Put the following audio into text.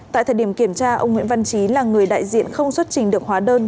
tại thời điểm kiểm tra ông nguyễn văn trí là người đại diện không xuất trình được hóa đơn